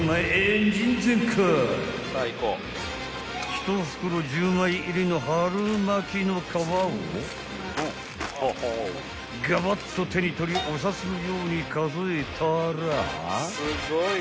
［１袋１０枚入りの春巻きの皮をガバッと手に取りお札のように数えたら］